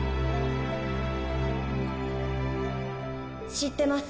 知ってます